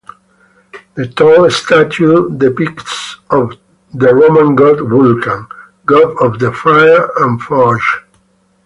The tall statue depicts the Roman god Vulcan, god of the fire and forge.